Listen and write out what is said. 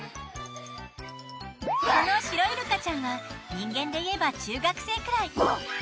このシロイルカちゃんは人間でいえば中学生くらい。